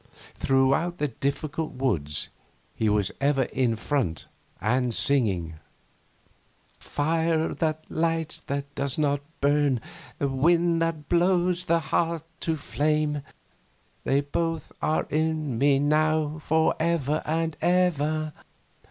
Throughout the difficult woods he was ever in front, and singing: 'Fire that lights but does not burn! And wind that blows the heart to flame! They both are in me now for ever and ever!